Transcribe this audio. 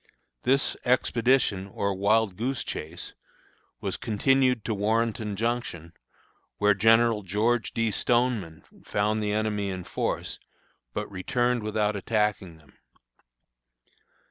This expedition, or wild goose chase, was continued to Warrenton Junction, where General George D. Stoneman found the enemy in force, but returned without attacking them.